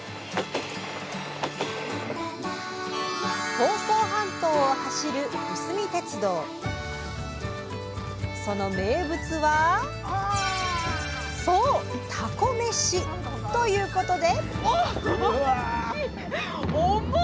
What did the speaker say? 房総半島を走るその名物はそうたこめし。ということで！